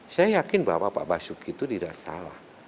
saya yakin bahwa pak basuki itu tidak salah